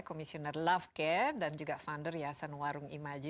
komisioner love care dan juga founder yasan warung imaji